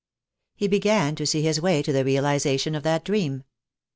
He began to see his way to the realization of that dream.